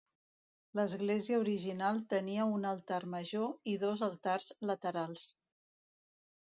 L'església original tenia un altar major i dos altars laterals.